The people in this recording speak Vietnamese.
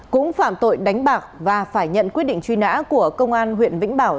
cũng phạm tội đánh bạc và phải nhận quyết định truy nã của công an huyện vĩnh bảo